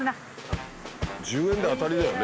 １０円で当たりだよね。